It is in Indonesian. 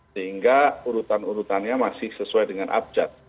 sehingga urutan urutannya masih sesuai dengan abjad